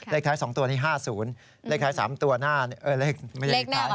เลขท้ายสองตัวนี้ห้าศูนย์เลขท้ายสามตัวหน้าเออเลขไม่ได้เลขท้าย